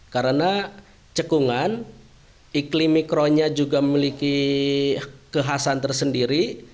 karena cekungan iklim mikronya juga memiliki kehasan tersendiri